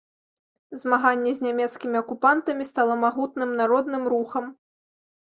Змаганне з нямецкімі акупантамі стала магутным народным рухам.